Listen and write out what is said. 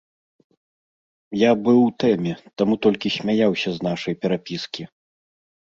Я быў у тэме, таму толькі смяяўся з нашай перапіскі.